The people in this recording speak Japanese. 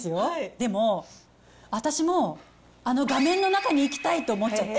でも、私もあの画面の中に行きたいと思っちゃって。